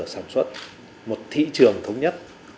asean đang trao đổi một thị trường thống nhất